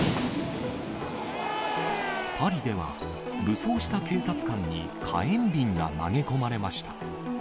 パリでは武装した警察官に火炎瓶が投げ込まれました。